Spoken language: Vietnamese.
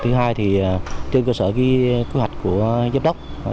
thứ hai trên cơ sở cứu hạch của giám đốc